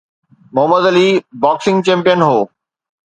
Muhammad Ali boxing champion هو